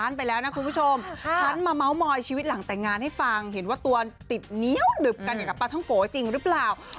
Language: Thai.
ลอตเตอรี่หยิบใบไหนถูกใบนั้นจริงหรือเปล่า